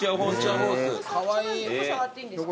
どこ触っていいんですか？